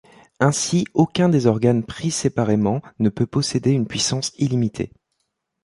Ainsi aucun des organes pris séparément ne peut posséder une puissance illimitée.